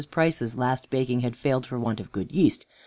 Price's last baking had failed for want of good yeast.